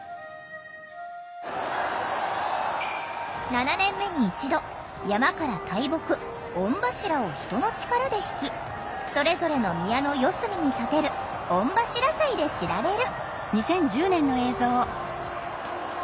７年目に一度山から大木「御柱」を人の力でひきそれぞれの宮の四隅に建てる「御柱祭」で知られる。